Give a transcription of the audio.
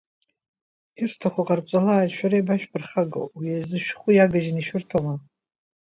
Ирҭаху ҟарҵалааит, шәара иабашәԥырхагоу, уи азы шәху иагыжьны ишәырҭома?